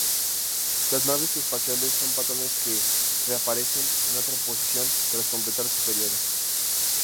Las naves espaciales son patrones que reaparecen en otra posición tras completar su período.